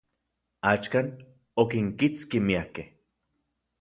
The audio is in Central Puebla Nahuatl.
Axkan, okinkitski miakej.